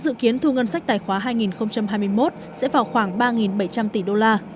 dự kiến thu ngân sách tài khoá hai nghìn hai mươi một sẽ vào khoảng ba bảy trăm linh tỷ đô la